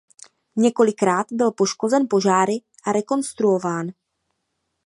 Několikrát byl poškozen požáry a rekonstruován.